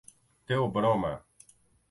Theobroma